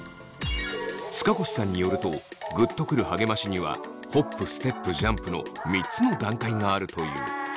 塚越さんによるとグッとくる励ましにはホップステップジャンプの３つの段階があるという。